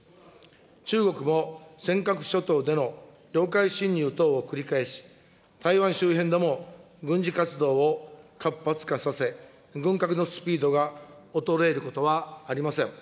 中国も尖閣諸島での領海侵入等を繰り返し、台湾周辺でも軍事活動を活発化させ、軍拡のスピードが衰えることはありません。